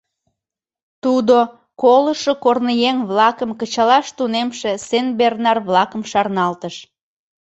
Тудо колышо корныеҥ-влакым кычалаш тунемше сенбернар-влакым шарналтыш.